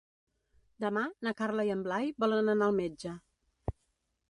Demà na Carla i en Blai volen anar al metge.